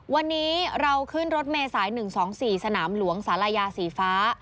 วันนี้เราขึ้นรถเมษาย๑๒๔สนามหลวงศาลายาสีฟ้า